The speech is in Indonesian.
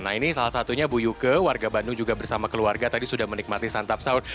nah ini salah satunya bu yuke warga bandung juga bersama keluarga tadi sudah menikmati santap sahur